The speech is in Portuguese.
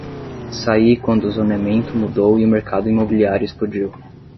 Saí quando o zoneamento mudou e o mercado imobiliário explodiu.